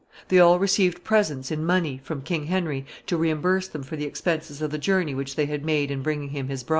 They all received presents in money from King Henry to reimburse them for the expenses of the journey which they had made in bringing him his bride.